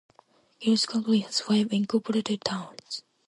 Giles County has five incorporated towns.